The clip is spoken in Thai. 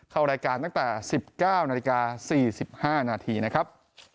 เข้ารายการตั้งแต่สิบเก้านาฬิกาสี่สิบห้านาทีนะครับ